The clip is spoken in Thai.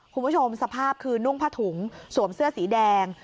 คุณผู้ชมสภาพคือนุ่งผ้าถุงสวมเสื้อสีแดง